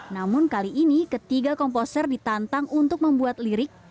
namun kali ini ketiga komposer ditantang untuk membuat lirik